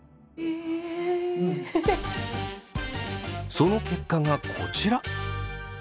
その結果がこちら。